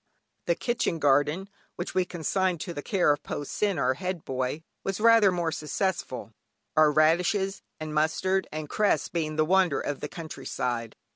The kitchen garden, which we consigned to the care of Po Sin, our head boy, was rather more successful, our radishes, and mustard and cress being the wonder of the country side.